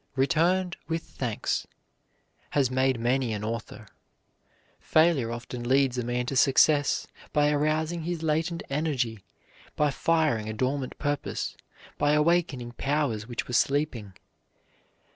"Returned with thanks" has made many an author. Failure often leads a man to success by arousing his latent energy, by firing a dormant purpose, by awakening powers which were sleeping.